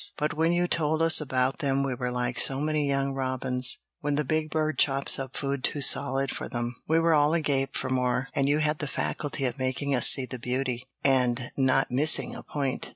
But when you told us about them we were like so many young robins, when the big bird chops up food too solid for them we were all agape for more, and you had the faculty of making us see the beauty, and not missing a point.